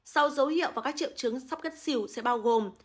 sau dấu hiệu và các triệu chứng sắp cắt xỉu sẽ bao gồm